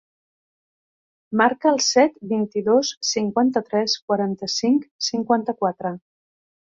Marca el set, vint-i-dos, cinquanta-tres, quaranta-cinc, cinquanta-quatre.